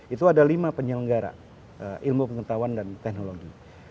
itu ada lima penyelenggara ilmu pengetahuan dan teknologi